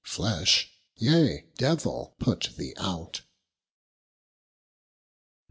Fleshe, yea Devill put thee out.